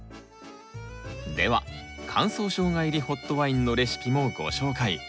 では「乾燥ショウガ入りホットワイン」のレシピもご紹介。